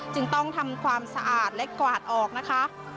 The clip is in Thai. จึงต้องทำความสะอาดและกวาดออกนะคะ